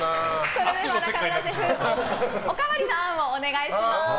それでは中村シェフおかわりのあーんをお願いします。